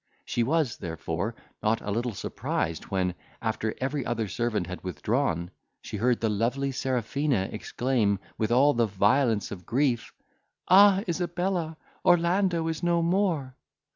She was, therefore, not a little surprised, when, after every other servant had withdrawn, she heard the lovely Serafina exclaim, with all the violence of grief, 'Ah! Isabella, Orlando is no more!